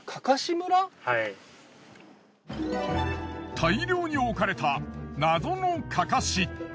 大量に置かれた謎のカカシ。